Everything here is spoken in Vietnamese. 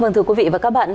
vâng thưa quý vị và các bạn